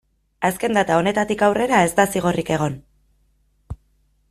Azken data honetatik aurrera ez da zigorrik egon.